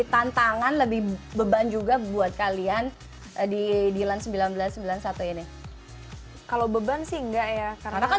tantangan lebih beban juga buat kalian di dilan seribu sembilan ratus sembilan puluh satu ini kalau beban sih enggak ya karena